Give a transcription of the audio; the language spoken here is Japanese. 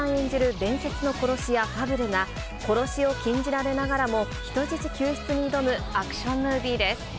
伝説の殺し屋、ファブルが、殺しを禁じられながらも、人質救出に挑むアクションムービーです。